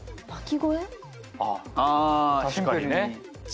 ああ確かにね。